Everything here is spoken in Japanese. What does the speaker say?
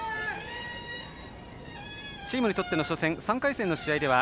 チームにとっての初戦３回戦での試合では